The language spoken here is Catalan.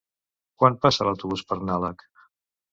Quan passa l'autobús per Nalec?